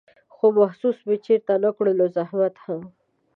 خو محسوس مې چېرته نه کړلو زحمت هم